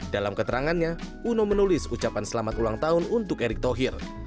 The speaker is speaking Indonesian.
dalam keterangannya uno menulis ucapan selamat ulang tahun untuk erick thohir